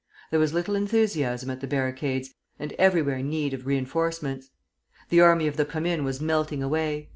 There was little enthusiasm at the barricades, and everywhere need of reinforcements. The army of the Commune was melting away.